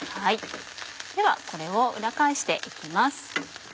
ではこれを裏返して行きます。